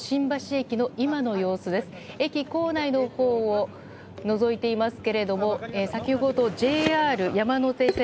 駅構内のほうをのぞいていますけど先ほどＪＲ山手線